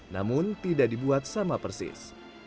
namun tidak dibuat sama persis